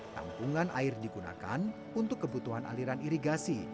tampungan air digunakan untuk kebutuhan aliran irigasi